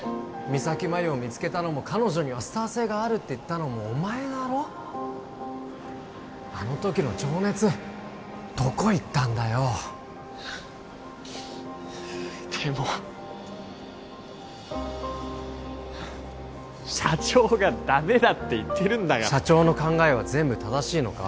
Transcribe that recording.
三咲麻有を見つけたのも彼女にはスター性があるって言ったのもお前だろあのときの情熱どこ行ったんだよでも社長がダメだって言ってるんだから社長の考えは全部正しいのか？